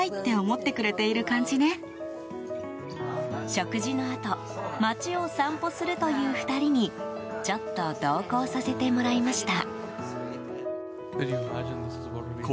食事のあと街を散歩するという２人にちょっと同行させてもらいました。